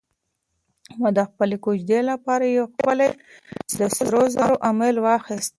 ما د خپلې کوژدنې لپاره یو ښکلی د سرو زرو امیل واخیست.